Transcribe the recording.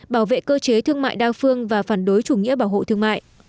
bảo vệ cơ chế thương mại đa phương và phản đối chủ nghĩa bảo hộ thương mại